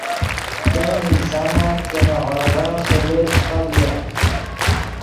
ګیم انسانن کہ نے ہورغن ݰیلے چے خبیو